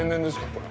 これ。